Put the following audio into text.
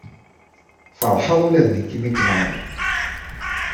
Feṛḥeɣ ula d nekk imi k-ẓṛiɣ.